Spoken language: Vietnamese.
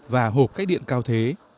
tầng trên để chứa điện cao thế